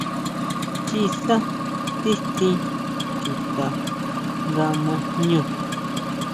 ʼChiʼisá sítsín chuta nga ma jñú.